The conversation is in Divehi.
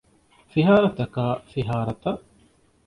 ފިހާރަތަކާ ފިހާރަތައް